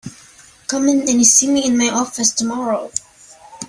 Come in and see me in my office tomorrow.